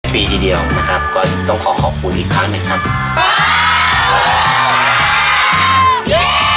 ปีทีเดียวนะครับก็ต้องขอขอบคุณอีกครั้งหนึ่งครับ